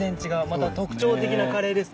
また特徴的なカレーですね。